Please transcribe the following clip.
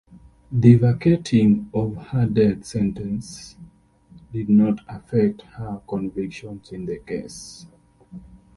The vacating of her death sentences did not affect her convictions in the case.